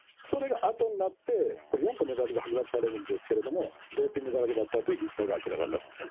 それがあとになって、４個メダルがはく奪されるんですけれども、ドーピング疑惑だったという実態が明らかになった。